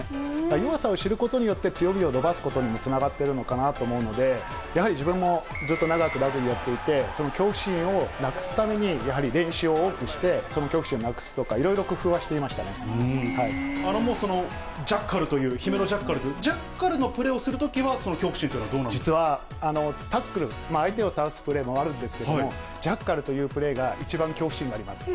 弱さを知ることによって、強みを伸ばすことにもつながってるのかなと思うので、やはり自分もずっと長くラグビーやっていて、その恐怖心をなくすために、やはり練習を多くして、その恐怖心をなくすとか、いろいろ工夫はもうジャッカルという、姫野ジャッカルという、ジャッカルのプレーをするときは、恐怖心というのはどうなんでしょ実はタックル、相手を倒すプレーもあるんですけど、ジャッカルというプレーが一番恐怖心があえ！